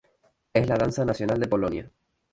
Es la danza nacional de Polonia.